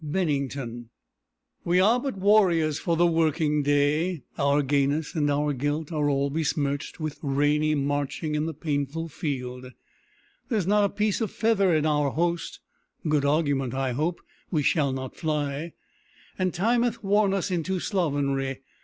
BENNINGTON We are but warriors for the working day; Our gayness and our guilt are all besmirch'd With rainy marching in the painful field; There's not a piece of feather in our host (Good argument, I hope, we shall not fly), And time hath worn us into slovenry.